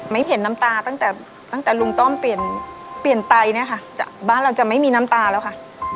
ไม่เห็นน้ำตาตั้งแต่ตั้งแต่ลุงต้อมเปลี่ยนเปลี่ยนไตเนี่ยค่ะบ้านเราจะไม่มีน้ำตาแล้วค่ะ